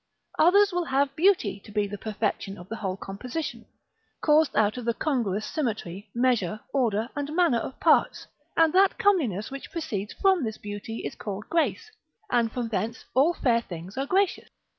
Others will have beauty to be the perfection of the whole composition, caused out of the congruous symmetry, measure, order and manner of parts, and that comeliness which proceeds from this beauty is called grace, and from thence all fair things are gracious.